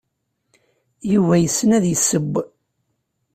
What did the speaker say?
Yuba yessen ad yesseww.